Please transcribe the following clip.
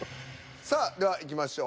さあではいきましょう。